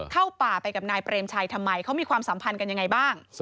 เข้าป่าไปกับนายเปรมชัยทำไมเขามีความสัมพันธ์กันยังไงบ้าง